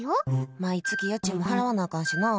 毎月家賃も払わなあかんしな。